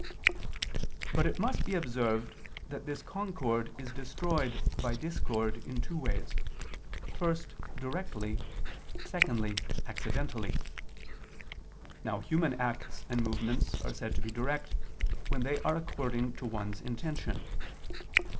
But it must be observed that this concord is destroyed by discord in two ways: first, directly; secondly, accidentally. Now, human acts and movements are said to be direct when they are according to one's intention.